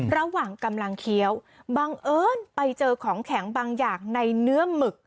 ระหว่างกำลังเคี้ยวบังเอิญไปเจอของแข็งบางอย่างในเนื้อหมึก